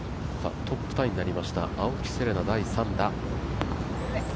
トップタイになりました青木瀬令奈第３打。